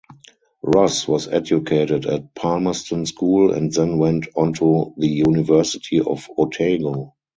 Ross was educated at Palmerston School and then went onto the University of Otago.